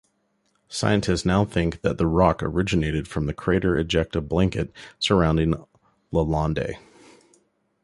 Scientists now think that the rock originated from the crater ejecta blanket surrounding Lalande.